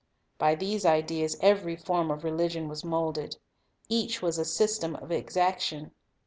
By these ideas every form of religion was moulded. Each was a system of exaction.